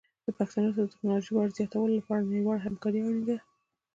پښتو ته د ټکنالوژۍ ور زیاتولو لپاره نړیواله همکاري اړینه ده.